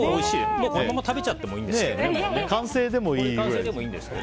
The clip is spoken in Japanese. このまま食べちゃってもいいんですけどね。